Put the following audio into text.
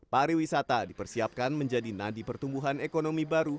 pariwisata dipersiapkan menjadi nadi pertumbuhan ekonomi baru